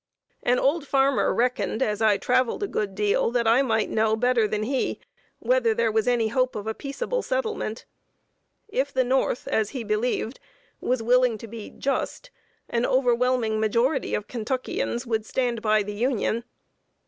An old farmer "reckoned," as I traveled a good deal, that I might know better than he whether there was any hope of a peaceable settlement. If the North, as he believed, was willing to be just, an overwhelming majority of Kentuckians would stand by the Union.